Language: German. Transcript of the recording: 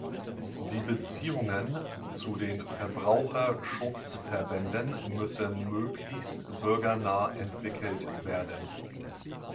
Die Beziehungen zu den Verbraucherschutzverbänden müssen möglichst bürgernah entwickelt werden.